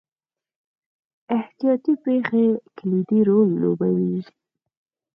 احتیاطي پېښې کلیدي رول لوبوي.